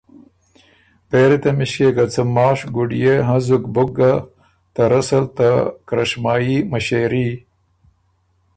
پېری تمِݭکيې که څۀ ماشک ګُډئے هنزُک بُک ګۀ ته رسل ته کرشمايي مِݭېري